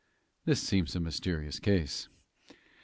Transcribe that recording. "This seems a mysterious case."